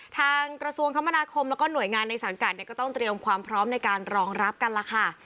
กระทรวงคมนาคมแล้วก็หน่วยงานในสังกัดเนี่ยก็ต้องเตรียมความพร้อมในการรองรับกันล่ะค่ะ